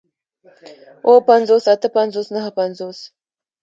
اووه پنځوس اتۀ پنځوس نهه پنځوس